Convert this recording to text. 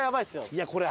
いやこれ。